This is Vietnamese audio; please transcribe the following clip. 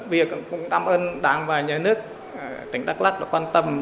việc cũng cảm ơn đảng và nhà nước tỉnh đắk lắk và quan tâm